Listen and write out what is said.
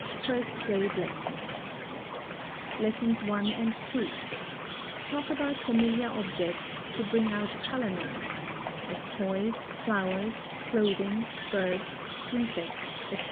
FIRST GRADE LESSONS. 1. Talk about familiar objects, to bring out color names, 2. as toys, flowers, clothing, birds, insects, etc.